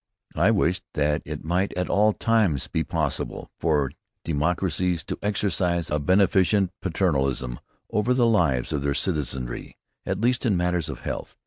I wished that it might at all times be possible for democracies to exercise a beneficent paternalism over the lives of their citizenry, at least in matters of health.